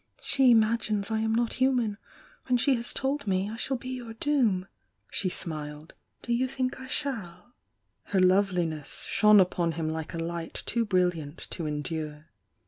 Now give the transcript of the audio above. She imag ines I am not human, and she has told me I shidl be your doom!" She smiled. "Do you think I shaU?" Her loveliness shone upon him like a light too brilliant to endure.